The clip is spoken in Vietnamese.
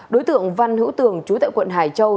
đối tượng văn hữu tường chủ tịch tp vĩnh long